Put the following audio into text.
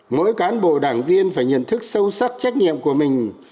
mỗi cán bộ đảng viên phải nhận thức sâu sắc trách nhiệm của mình